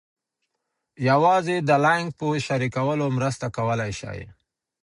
یوازې د لینک په شریکولو مرسته کولای سئ.